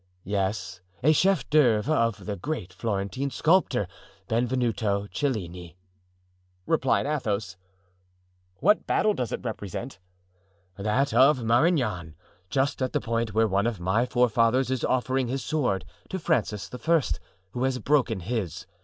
"Yes, a chef d'oeuvre of the great Florentine sculptor, Benvenuto Cellini," replied Athos. "What battle does it represent?" "That of Marignan, just at the point where one of my forefathers is offering his sword to Francis I., who has broken his.